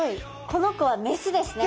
この子はメスですね。